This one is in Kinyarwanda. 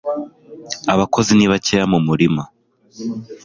abakozi ni bakeya mu murima